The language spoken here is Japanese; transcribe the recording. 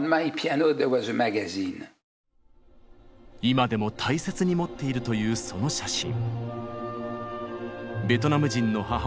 今でも大切に持っているというその写真。